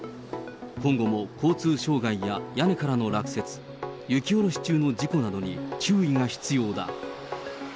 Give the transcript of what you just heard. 今後も交通障害や屋根からの落雪、雪下ろし中の事故などに注意が必要だ。